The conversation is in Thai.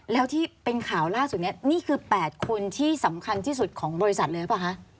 แล้วที่เป็นข่าวล่าสุดนี้นี่คือ๘คนที่สำคัญที่สุดของบริษัทเลยหรือเปล่าคะ